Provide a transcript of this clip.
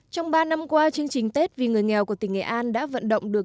trong ba năm qua chương trình tết vì người nghèo của tỉnh nghệ an đã vận động được